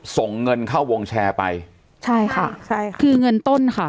ส่งเงินเข้าวงแชร์ไปใช่ค่ะใช่ค่ะคือเงินต้นค่ะ